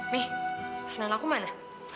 mi senang aku mana